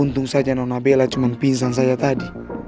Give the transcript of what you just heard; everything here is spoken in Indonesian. untung saja nona bella cuma pingsan saja tadi